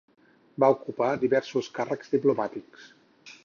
Va ocupar diversos càrrecs diplomàtics.